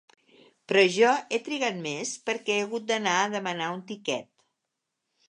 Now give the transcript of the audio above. Però jo he trigat més perquè he hagut d'anar a demanar un tiquet.